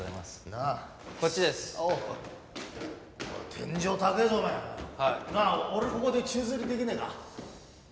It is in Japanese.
なあ俺ここで宙づりできねえか？